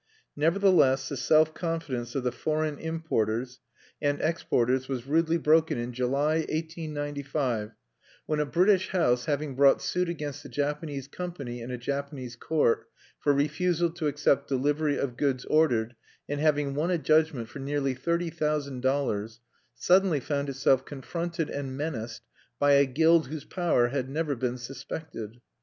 Nevertheless the self confidence of the foreign importers, and exporters was rudely broken in July, 1895, when a British house having brought suit against a Japanese company in a Japanese court, for refusal to accept delivery of goods ordered, and having won a judgment for nearly thirty thousand dollars, suddenly found itself confronted and menaced by a guild whose power had never been suspected.